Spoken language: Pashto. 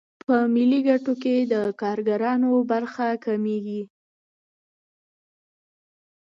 په ملي ګټو کې د کارګرانو برخه کمېږي